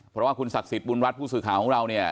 เพราะว่าคุณศักดิ์สิทธิบุญรัฐผู้สื่อข่าวของเราเนี่ย